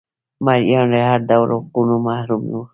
مریان له هر ډول حقونو محروم وو.